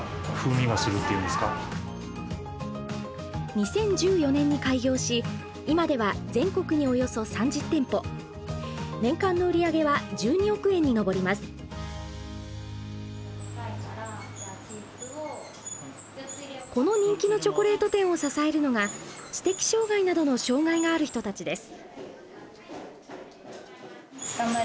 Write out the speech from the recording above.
２０１４年に開業し今ではこの人気のチョコレート店を支えるのが知的障害などの障害がある人たちです。